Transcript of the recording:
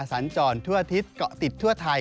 สัญจรทั่วอาทิตย์เกาะติดทั่วไทย